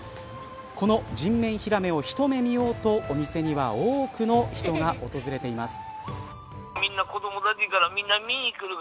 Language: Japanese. この人面ヒラメを一目見ようとお店には多くの人が訪れています。